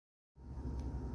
رحم الإله جوارحا ضم الثرى